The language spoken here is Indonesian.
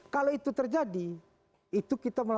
kalau itu terjadi itu kita